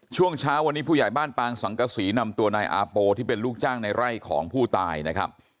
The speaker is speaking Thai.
ช่วงเช้าวันนี้ผู้ใหญ่บ้านปางสังกษีนำตัวนายอาโปที่เป็นลูกจ้างในไร่ของผู้ตายนะครับ